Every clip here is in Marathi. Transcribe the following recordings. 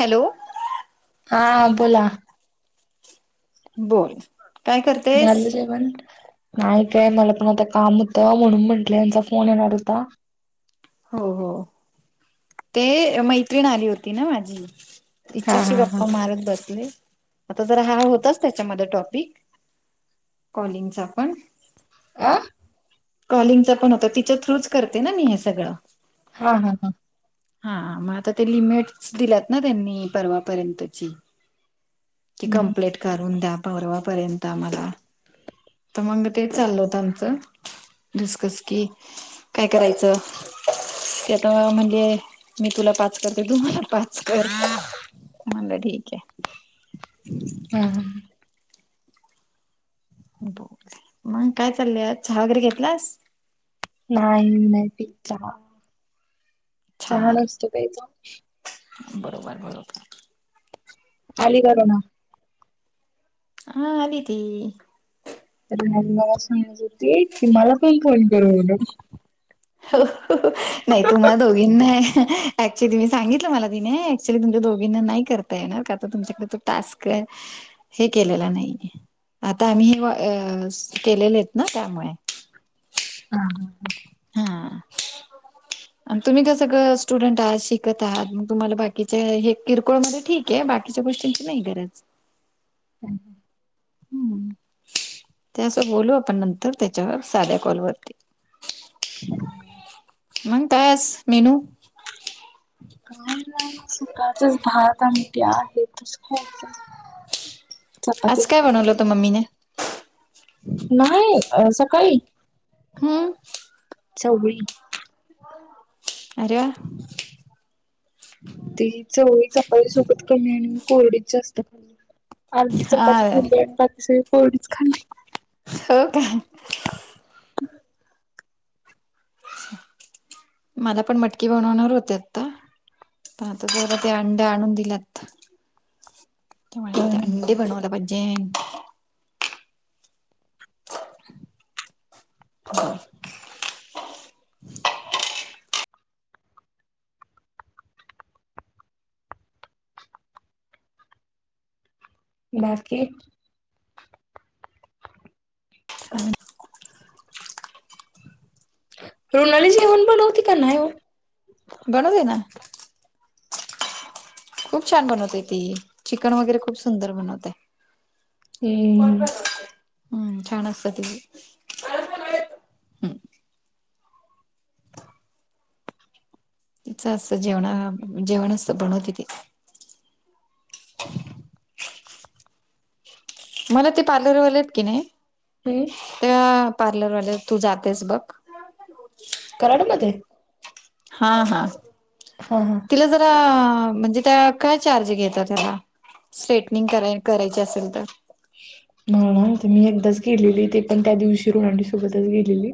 हॅलो हा बोला बोल काय करतेस? झालं जेवण. नाही काय मला पण आता काम होतं म्हणून म्हटलं यांचा फोन येणार होता. हो हो ते मैत्रिण आली होती ना माझी. हा तिच्याशी हा हा गप्पा मारत बसले आता जर हा होताच त्याच्यामध्ये टॉपिक कॉलिंगचा पण आ कॉलिंगचा पण होता तिच्या थ्रूच करते ना मी हे सगळं. हा हा हा. हा मग आता ते लिमिट दिल्यात ना त्यांनी परवापर्यंतची. की हम्म. कंप्लेट करून द्या परवापर्यंत आम्हाला तर मंग ते चालल होत आमचं. डिस्कस कि काय करायचं? ते आता म्हणले मी तुला पाच करते तु मला पाच कर. म्हणला ठीक आहे. हा हा मग काय चाललंय चहा वगैरे घेतलास? नाही मी नाही पित चहा, चहा छान नसतो प्यायचा. बरोबर बरोबर. अलीगरोना हा दीदी. तर म मला सांगत होते की मला कोण फोन करू म्हण. हो नाही तुम्हा दोघींना ऍक्च्युली मी सांगितलं मला तिने एक्चुअली तुमच्या दोघींना नाही करता येणार का तर तुमच्याकडे तो टास्क हे केलेलं नाही आता आम्ही हे केलेले आहेत ना त्यामुळे हा. हा तुम्ही कसंं स्टुडंट आहात शिकत आहात मग तुम्हाला बाकीच्या हे किरकोळमध्ये ठीक क बाकीच्या गोष्टींची नाही गरज. हम ह हम्म ते असं बोलू आपण नंतर त्याच्यावर साध्या कॉलवरती. मग काय आज मेनू? काय नाही सकाळचच भात आणि ते आहे ते खायचं. चपाती आज काय बनवलं होतं मम्मीने नाही सकाळी हम्म चवळी अरे वाह! ती चवळी चपाळी सोबत कमी आणि कोरडीत जास्त अर्धी चपाती वा आणि बाकी सगळी कोरडीच खाल्ली. हो का? मला पण मटकी बनवणार होते आता पता गोर ते अंड आणून दिलात ते मा हम्म अंडी बनवला पज्जेन ह बाकी ह रऋणाली जेऊन बोल होती का नाहीय [unintelligible] दे ना. खूप छान बनवतय ती. चिकन वगैरे खूप सुंदर बनवतय. [unintelligible] हम्म. हम्, छान असतात [unintelligible] तिचं असं जेवणा, जेवण असतं बनवती ती. मला ते पार्लरवालेयत की नाही [unintelligible] त्या पार्लरवाल्या, तू जातेस बघ. कराडमध्ये? हा, हा. हा- हा. तिला जरा आ, म्हणजे का काय चार्ज घेतात? ह्याला. स्ट्रेटनिंग कराय, करायची असेल तर. [unintelligible] ते मी एकदाच गेलेली. ते पण त्या दिवशी, ऋणाली सोबतच गेलेली.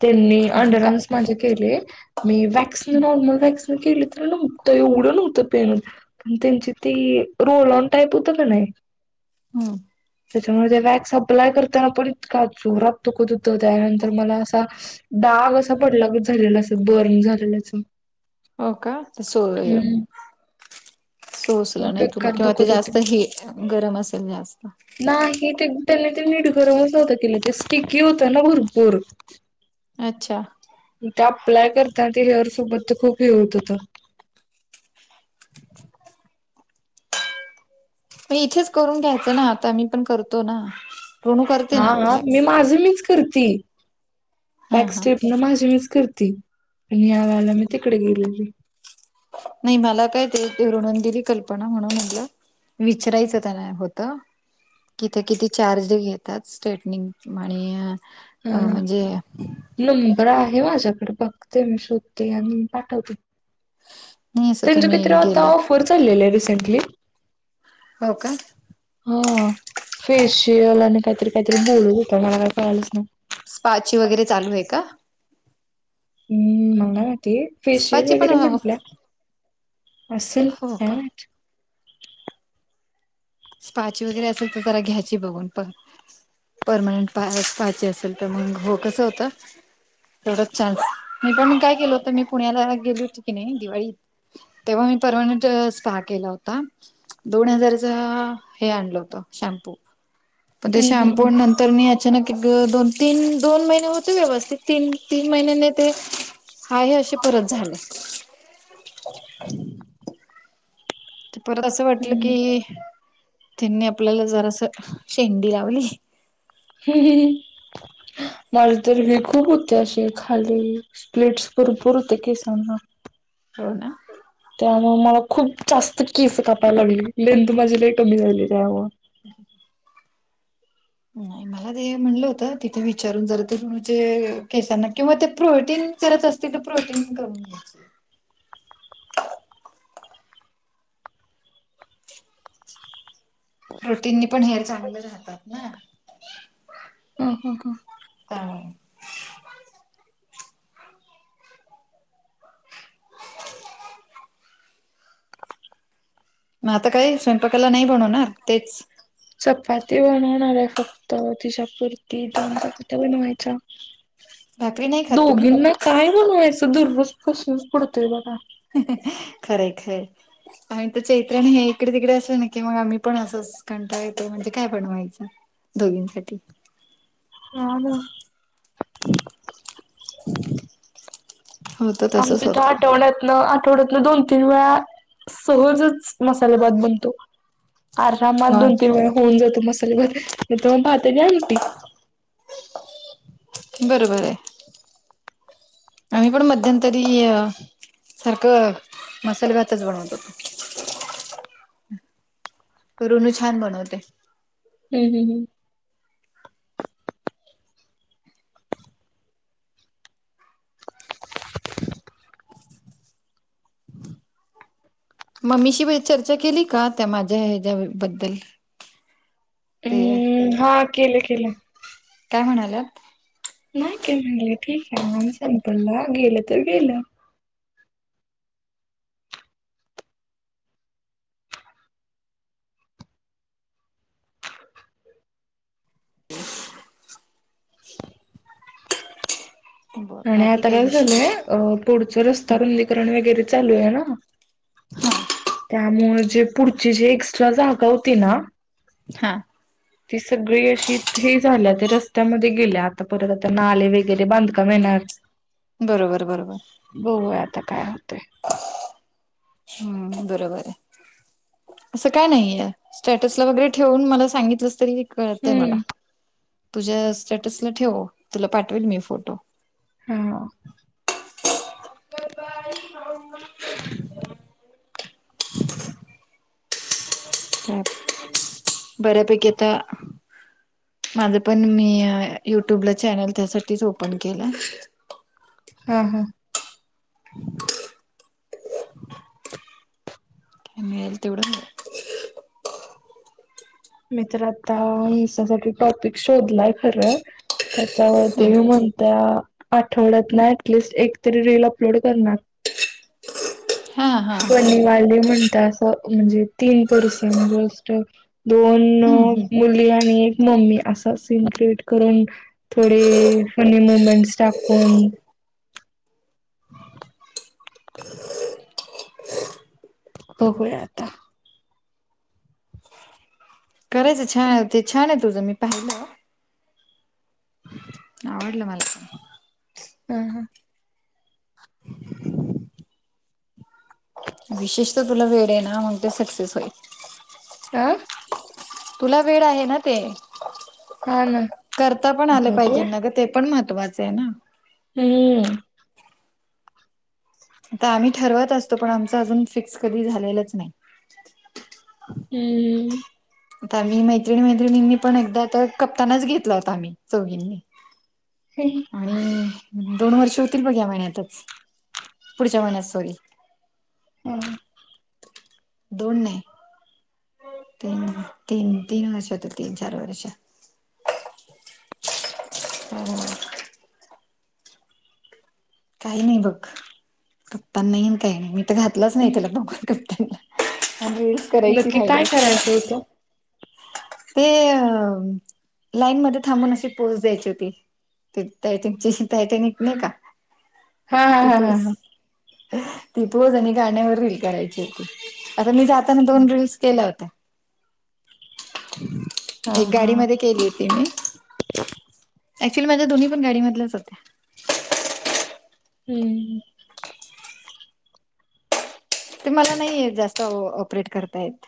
त्यांनी ह मग काय अंडरम्स माझे केले. मी वॅक्सिन, नॉर्मल व्हॅक्सिन केली तर, नव्हतं एवढं नव्हतं पेन होत. पण त्यांची ती, रोल ऑन टाईप होत का नाही हम. त्याच्यामुळे ज्या वॅक्स अप्लाय करताना पण इतका जोरात दुखत होतं. त्याच्या नंतर मला असा डाग असा पडल्यागत झालेला, असं बर्न झाललच. हो का? ते सो [inaudible] खूप सोसला नाही तुला. बेकार किंवा ते दुखत होत. जास्त हे गरम असेल जास्त. नाही ते, त्यांनी ते निट गरमच नव्हतं केलं. ते स्टिकी होतं ना भरपूर. अच्छा. ते अप्लाय करता ते हेअर सोबत तर खूप हे होत होत. म इथेच करून घ्यायचं ना. आता मी पण करतो ना. रोणू करते ना वॅक्स. माजं मीच करती. हा व्हॅक्स हा स्ट्रिपन, माझी मीच करती. पण या वेळेला मी तिकडे गेलेली. नाही मला काय ते, ऋणून दिली कल्पना, म्हणून म्हटलं. विचरायचं त्याना होतं. तिथं किती चार्ज घेतात स्ट्रेटनिंग आणि हा. म्हणजे नंबर आहे माझ्याकडे. बघते मी, शोधते आणि पाठवते. नाही असं त्यांचं तुम्ही कायतरी आता गेलात ऑफर चाललेलं रिसंटली. हो का? हा, फेशियल आणि काहीतरी - काहीतरी, बोलत होत्या. मला तर कळालंच नाही. स्पाची वगैरे चालू आहे का? हम्, [unintelligible] फेशियल स्पाची पण वगैरे म्हंटलं. हो असेल काय का माहित. स्पाची वगैरे असेल तर, जरा घ्यायची बघून पण. परमनंट पा पाहायची असेल तर, मंग हो कसं होतं? तेवढंच छान. [inaudible] मी पण काय केलं होतं, मी पुण्याला ही गेली होती की नाही, दिवाळी तेव्हा मी, परमनंट स्पा केला होता. दोन हजारचा हे आणल होत. शॅम्पू, पण ते हम्म शॅम्पू नंतर तर मी अचानक एक, दोन- तीन, दोन महिने होते व्यवस्थित. तीन, तीन महिनेणं ते हा, हे असे परत झाले. [inaudible] ते परत असं वाटलं की, हम्म त्यांनी आपल्याला जरासं शेंडी लावली. मला तर हे खूप त्या अशी खाली, स्प्लिटस भरपूर होते केसांना. हो ना? त्यामुळ मला खूप जास्त केस कापायला लागली. लेंथ माझी लय कमी झालेली आहे अहो. [inaudible] नाही मला ते म्हणलं होत तिथे विचारून जर तेणूचे केसांना किंवा ते प्रोटीन करत असतील तर प्रोटीन करून घ्यायच. प्रोटीननी पण हेर चांगले राहतात ना? हो हो! काय? मग आता काय स्वयंपाकाला नाही बनवणार ना तेच? चपाती बनवणार आहे फक्त तिच्यापुरती दोन चपात्या बनवायच्या. भाकरी नाही खात तुम्ही? दोघींना काय बनवायचं दररोज प्रश्न पडतोय बघा. खर आहे खरं आहे आम्ही तर चैत्रन हे इकडे तिकडे असले ना की मग आम्ही पण असं कंटाळा येतो म्हणजे काय बनवायच दोघींसाठी. हा ना! होत तसच आमच्या तर होत. आठवड्यातनं आठवड्यातन दोन तीन वेळा सहजच मसाले भात बनतो. आरामात हा दोन तीन वेळा होऊन जातो मसल म मी तर मग भात आणि आमटी. बरोबर आहे आम्ही पण मध्यंतरी सारखं मसाल भातच बनवत होतो. ऋनू छान बनवते! हम् हम हम! मम्मीशी चर्चा केली का त्या माझ्या ह्याच्याबद्दल? ते हम्म हा केलं केलं. काय म्हणाल्यात? नाही काय म्हणाली सामान संपलं तर संपलं गेलं तर गेलं. बर आणि बाकी आता काय झालंय विषय पुढचा रस्ता रुंदीकरण वगैरे चालू आहे ना. त्यामुळे जे पुढची जी एक्स्ट्रा जागा होती ना हा! ती सगळी अशी हे झाल्या ते रस्त्यामध्ये गेल्या आता परत आता नाले वगैरे बांध काम येणार. बरोबर बरोबर! बघूया आता काय होतय. हम्म बरोबर आहे. असं काय नाही आहे स्टॅटसला वगैरे ठेवून मला सांगितलं तरी कळतय मला हम्म. तुझ्या स्टेटसला ठेव तुला पाठवीन मी फोटो. हा! [unintelligible] [inaudible] अ बऱ्यापैकी आता माझं पण मी युट्यूबला चॅनल त्यासाठीच ओपन केलाय. हा हा. मिळेल तेवड मी तर आता इन्स्टा साठी टॉपिक शोधलाय खरं! तर त्या वरती हम्म मी म्हणतीया आठवड्यातन ऍटलिस्ट एकतरी रील अपलोड करणार. हा हा फनीवाले म्हणता असं म्हणजे तीन पर्सन ज अस दोन हम्म हम्म मुली आणि एक मम्मी असा सीन क्रिएट करून थोडी फनी मुमेंटस टाकून बघूया आता करायचं छान आहे ते छान आहे तुझं मी पाहिलं आवडलं मला हा हा विशेष तर तुला वेळ आहे ना मग ते सक्सेस होईल आं तुला वेळ आहे ना ते हा ना करता पण आले पाहिजे बघूया न ग ते पण महत्त्वाचं आहे ना हम् आता आम्ही ठरवत असतो पण आमच अजून फिक्स कधी झालेलंच नाही हम्म आता मी मैत्रिणी मैत्रिणींनी पण एकदा आता कप्तानाच घेतला होता आम्ही चौघंनी ह आणि दोन वर्ष होतील बघ या महिन्यातच पुढच्या महिन्यात सॉरी ह दोन नाही तीन तीन तीन वर्ष तीन चार वर्ष हम् काही नाही बघ कप्प नाही काही नाही मी तर घातलंच नाही तला बघून कप्तांना आणि करायची नक्की राहिली काय करायचं होतं ते अ लाईन मध्ये थांबून अशी पोहोच द्यायची होती ते तटनची तयटनत नाही का हा हा ती हा हा पोस हा ती पूज आणि गाण्यावर रील करायची होती आता मी जाताना दोन रीलस केल्या होत्या हा एक हा गाडी म केली होती मी अक्च्युली माझ्या दोन्ही पण गाडीमधल्याच होत्या हम्म ते मला नाही जास्त ऑपरेट करतायेत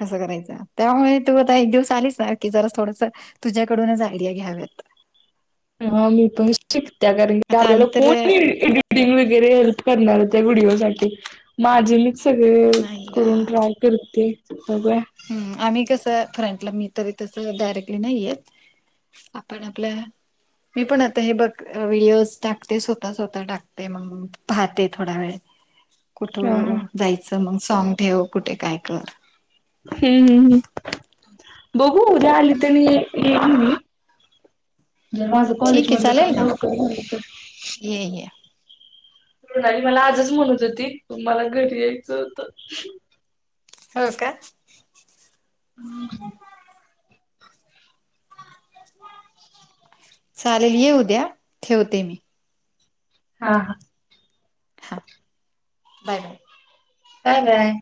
कसं करायचं त्यामुळे तू आता एक दिवस आलीसचणार की जरा थोडंस तुझ्याकडूनच आयडिया घ्याव्यात हा मी पण शिक त्या कारण क आता आपल्याला आम्ही तर कोणी डंग वगैरे हेल्प करणार हो त्या व्हिडिओ साठी माझे म सगळे नाही ग करून ड्राय करते बघं हम् आम्ही कसं फ्रंटला मी तरी तसं डायरेक्टली नाहीयेत आपण आपलं मी पण आता हे बघ व्हिडिओज टाकते स्वतः स्वतः टाकते मग पाहते थोडा वेळ हा हा कुठं जायचं मग सॉग ठेव कुठे काय कर हम्म हम्म् बघू उद्या आली तर येल मी जव ठीक आहे चालेल ना ये ये तरुणाली मला आजच म्हणत होती तु मला घरी यायचं होत हो का हम् चालेल ये उद्या ठेवते मी हा हा हा बाय बाय हा काय